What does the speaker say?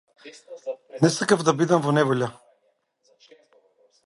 Не сакав да бидам во неволја.